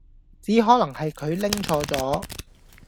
只可能係佢拎錯咗